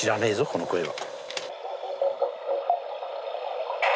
この声は。